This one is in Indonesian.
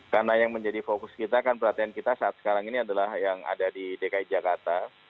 karena yang menjadi fokus kita kan perhatian kita saat sekarang ini adalah yang ada di dki jakarta